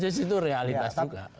begitu itu realitas juga